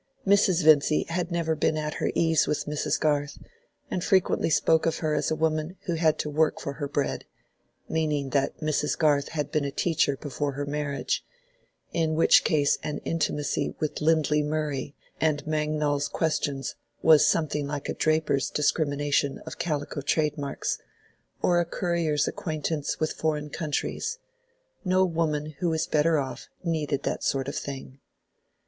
Mrs. Vincy had never been at her ease with Mrs. Garth, and frequently spoke of her as a woman who had had to work for her bread—meaning that Mrs. Garth had been a teacher before her marriage; in which case an intimacy with Lindley Murray and Mangnall's Questions was something like a draper's discrimination of calico trademarks, or a courier's acquaintance with foreign countries: no woman who was better off needed that sort of thing.